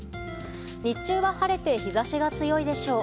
日中は晴れて日差しが強いでしょう。